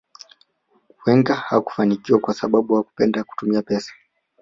Wenger hakufanikiwa kwa sababu hakupenda kutumia pesa